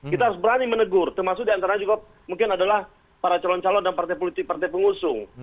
kita harus berani menegur termasuk diantara juga mungkin adalah para calon calon dan partai politik partai pengusung